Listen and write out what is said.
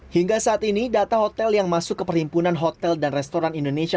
hingga saat ini data hotel yang masuk ke perhimpunan hotel dan restoran indonesia